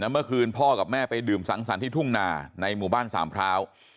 เมื่อคืนพ่อกับแม่ไปดื่มสังสรรค์ที่ทุ่งนาในหมู่บ้านสามพร้าว